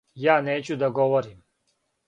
Ја нећу да говорим.